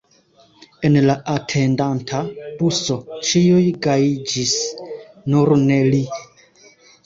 En la atendanta buso ĉiuj gajiĝis, nur ne li.